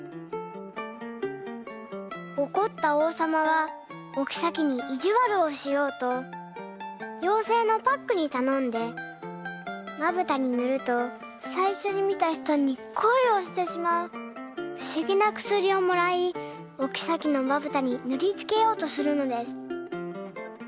おこったおうさまはおきさきにいじわるをしようとようせいのパックにたのんで「まぶたにぬるとさいしょに見た人に恋をしてしまうふしぎなくすり」をもらいおきさきのまぶたにぬりつけようとするのです。